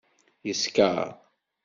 Yexser?